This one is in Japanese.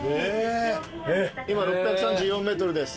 今６３４ｍです。